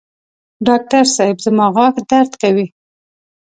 ډاکټر صېب زما غاښ درد کوي